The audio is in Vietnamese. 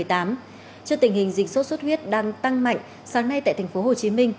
trước tình hình dịch sốt xuất huyết đang tăng mạnh sáng nay tại tp hcm